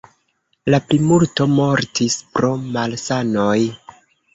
La plimulto mortis pro malsanoj.